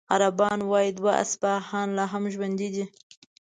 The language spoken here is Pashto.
عربان وايي دوه اصحابان لا هم ژوندي دي.